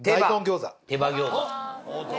手羽餃子。